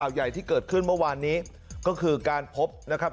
ใหญ่ที่เกิดขึ้นเมื่อวานนี้ก็คือการพบนะครับ